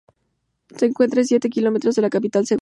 Se encuentra a siete km de la capital segoviana.